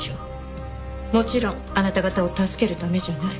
もちろんあなた方を助けるためじゃない。